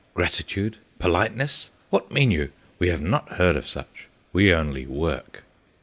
Gratitude! Politeness! What mean you? We have not heard of such. We only work.